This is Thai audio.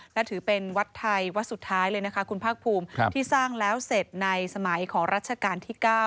และถือเป็นวัดไทยวัดสุดท้ายเลยนะคะคุณภาคภูมิที่สร้างแล้วเสร็จในสมัยของรัชกาลที่๙